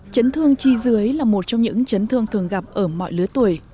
chấn thương chi dưới là một trong những chấn thương thường gặp ở mọi lứa tuổi